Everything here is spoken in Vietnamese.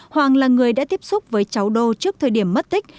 hoàng là người đã tiếp xúc với cháu đô trước thời điểm mất tích